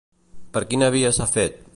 Per quina via s'ha fet?